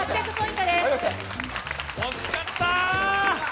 惜しかった！